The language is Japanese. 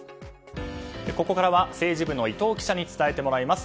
ここからは政治部の伊藤記者に伝えてもらいます。